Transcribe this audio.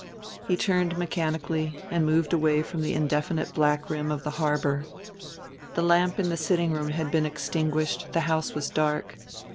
He turned mechanically and moved away from the indefinite black rim of the harbor. The lamp in the sitting room had been extinguished, the house was dark.